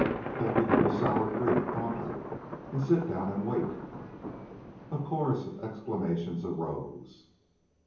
"That we go to Sour Creek pronto and sit down and wait!" A chorus of exclamations arose.